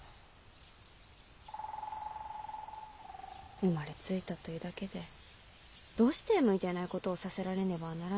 生まれついたというだけでどうして向いていないことをさせられねばならんのでしょうね。